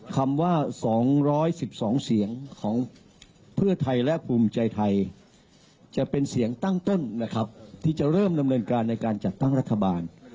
คำว่า๒๑๒เสียงของเพื่อไทยและภูมิใจไทยจะเป็นเสียงตั้งต้นนะครับที่จะเริ่มดำเนินการในการจัดตั้งรัฐบาล